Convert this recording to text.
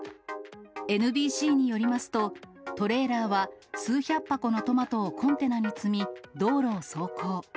ＮＢＣによりますと、トレーラーは数百箱のトマトをコンテナに積み、道路を走行。